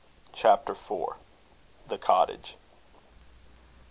CHAPTER IV. THE COTTAGE.